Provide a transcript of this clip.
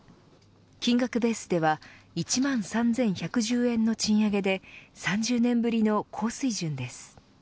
金額ベースでは１万３１１０円の賃上げで３０年ぶりの高水準です。